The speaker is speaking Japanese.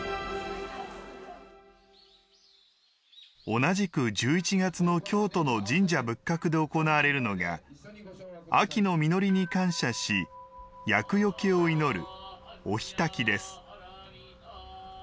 おなじく１１月の京都の神社仏閣で行われるのが秋の実りに感謝し、厄除けを祈るお火焚きです。